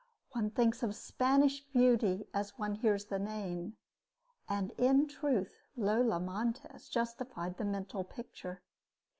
One thinks of Spanish beauty as one hears the name; and in truth Lola Montez justified the mental picture.